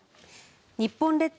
日本列島